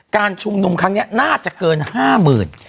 การชุมนุมครั้งนี้น่าจะเกิน๕๐๐๐บาท